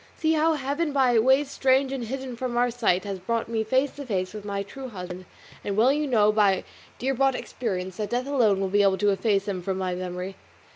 See how Heaven, by ways strange and hidden from our sight, has brought me face to face with my true husband; and well you know by dear bought experience that death alone will be able to efface him from my memory.